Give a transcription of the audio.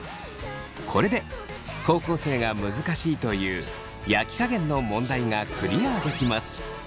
これで高校生が難しいという焼き加減の問題がクリアできます。